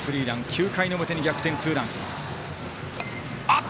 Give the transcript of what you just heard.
９回の表に逆転ツーラン。